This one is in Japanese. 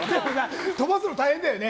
飛ばすの大変だよね。